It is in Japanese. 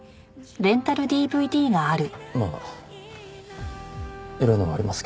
まあエロいのもありますけど。